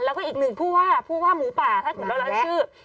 แล้วก็อีกหนึ่งผู้ว่าผู้ว่าหมูป่าถ้าเกิดเราเล่าชื่อ